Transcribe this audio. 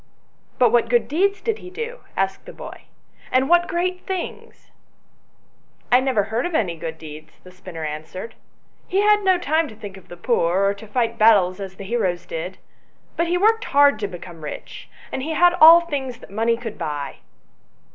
" But what good deeds did he do ?" asked the boy, " and what great things ?"" I never heard of any good deeds," the spinner answered ;" he had no time to think of the poor, or to fight battles as the heroes did ; but he worked hard to* become rich, and he had all things that money could buy."